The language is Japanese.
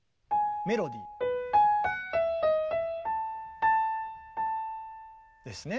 メロディー。ですね。